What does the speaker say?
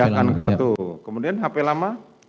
oh pindahkan kartu kemudian hp lama